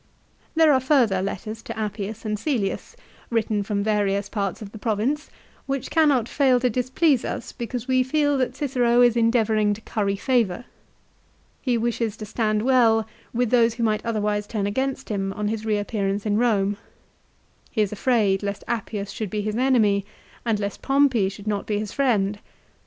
There are further letters to Appius and Cselius, written from various parts of the Province, which cannot fail to displease us because we feel that Cicero is endeavouring to curry favour. He wishes to stand well with those who might otherwise turn against him on his reappearance in Rome. He is afraid lest Appius should be his enemy and lest Pompey should not be his friend.